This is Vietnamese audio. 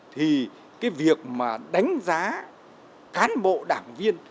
thì cái việc mà đánh giá cán bộ đảng viên